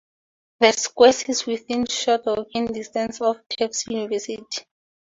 The square is within a short walking distance of Tufts University.